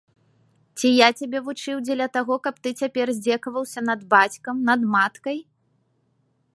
Ці я цябе вучыў дзеля таго, каб ты цяпер здзекаваўся над бацькам, над маткай!